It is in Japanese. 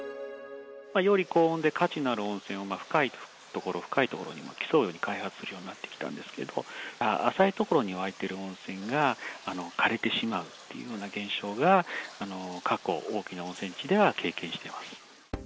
より高温で価値のある温泉を深い所、深い所へと競うように開発するようになってきたんですけれども、浅い所に湧いてる温泉が枯れてしまうっていうような現象が、過去大きな温泉地では経験してます。